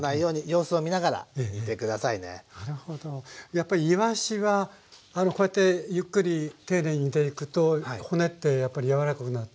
やっぱりいわしはこうやってゆっくり丁寧に煮ていくと骨ってやっぱり柔らかくなる？